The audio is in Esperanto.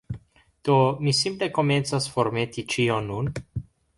Do, mi simple komencas formeti ĉion nun